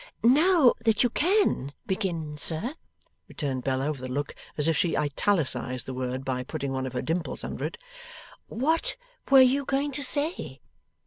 'Now that you CAN begin, sir,' returned Bella, with a look as if she italicized the word by putting one of her dimples under it, 'what were you going to say?